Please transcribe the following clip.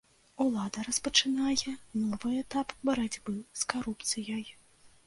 Улада распачынае новы этап барацьбы з карупцыяй.